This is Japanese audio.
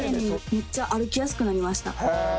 めっちゃ歩きやすくなりました。